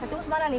tuh terus mana nih